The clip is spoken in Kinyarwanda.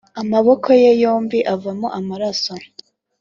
amaboko ye yombi avamo amaraso.